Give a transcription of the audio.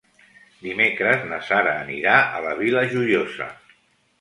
Dimecres na Sara anirà a la Vila Joiosa.